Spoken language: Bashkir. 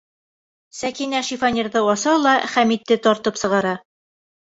Сәкинә шифоньерҙы аса ла Хәмитте тартып сығара.